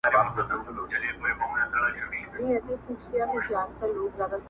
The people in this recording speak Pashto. ژوند سرینده نه ده، چي بیا یې وږغوم.